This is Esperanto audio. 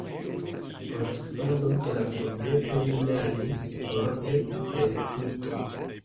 Post falo de la Soveto li lernis por esti presisto.